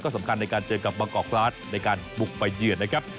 ก็สำคัญในการเจอกับบางกล่องคลาสในการบุกไปเหยื่อนะครับ